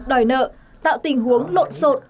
đòi nợ tạo tình huống lộn xộn